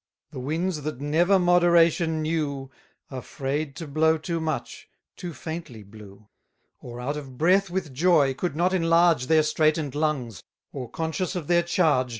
The winds that never moderation knew, Afraid to blow too much, too faintly blew; Or, out of breath with joy, could not enlarge Their straighten'd lungs, or conscious of their charge.